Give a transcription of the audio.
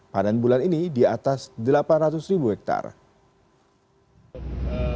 panen bulan ini di atas delapan ratus ribu hektare